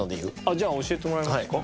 じゃあ教えてもらいますか？